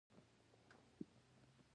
زه له ډوډۍ ضایع کولو څخه ډډه کوم.